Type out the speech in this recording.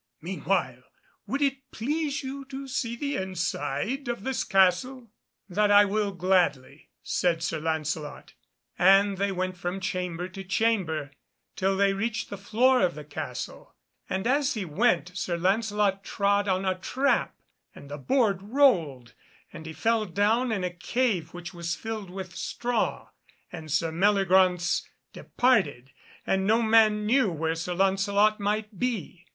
Meanwhile would it please you to see the inside of this castle?" "That I will gladly," said Sir Lancelot, and they went from chamber to chamber, till they reached the floor of the castle, and as he went Sir Lancelot trod on a trap and the board rolled, and he fell down in a cave which was filled with straw, and Sir Meliagraunce departed and no man knew where Sir Lancelot might be.